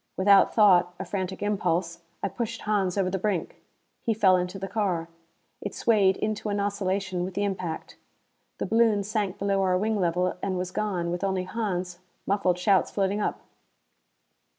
Without thought a frantic impulse I pushed Hans over the brink. He fell into the car. It swayed into an oscillation with the impact. The balloon sank below our wing level and was gone, with only Hans, muffled shouts floating up.